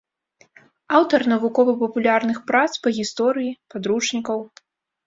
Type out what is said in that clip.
Аўтар навукова-папулярных прац па гісторыі, падручнікаў.